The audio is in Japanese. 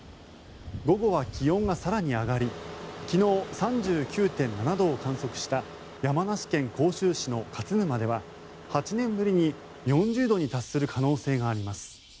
午後は気温が更に上がり昨日３９．７度を観測した山梨県甲州市の勝沼では８年ぶりに４０度に達する可能性があります。